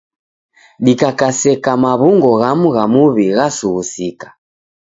Dikakaseka maw'ungo ghamu gha muw'i ghasughusika.